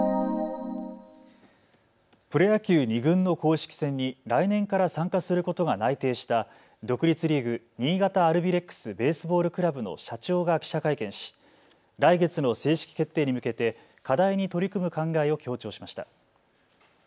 プロ野球２軍の公式戦に来年から参加することが内定した独立リーグ、新潟アルビレックス・ベースボール・クラブの社長が記者会見し来月の正式決定に向けて課題に取り組む考えを強調しました。